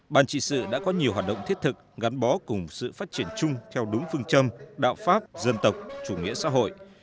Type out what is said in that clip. ban trị sự đã có nhiều hoạt động thiết thực gắn bó cùng sự phát triển chung theo đúng phương châm đạo pháp dân tộc chủ nghĩa xã hội